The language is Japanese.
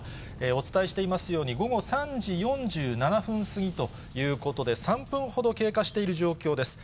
お伝えしていますように、午後３時４７分過ぎということで、３分ほど経過している状況です。